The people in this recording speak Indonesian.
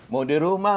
mau di rumah